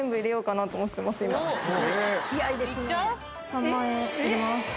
３万円入れます。